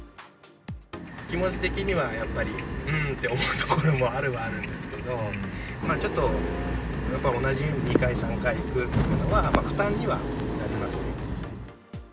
気持ち的にはやっぱり、うーんって思うところもあるはあるんですけど、ちょっとやっぱ同じ家に２回、３回行くというのは、負担にはなりますね。